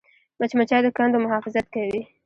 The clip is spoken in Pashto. مچمچۍ د کندو محافظت کوي